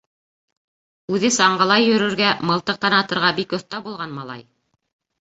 Үҙе саңғыла йөрөргә, мылтыҡтан атырға бик оҫта булған, малай.